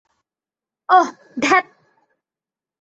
অহ, ধ্যাত!